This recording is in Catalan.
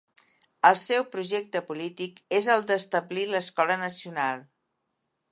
El seu projecte polític és el d'establir l'Escola Nacional.